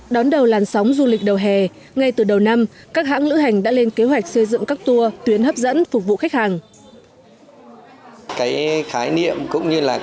đón đầu làn sóng du lịch đầu hè ngay từ đầu năm các hãng lữ hành đã lên kế hoạch xây dựng các tour tuyến hấp dẫn phục vụ khách hàng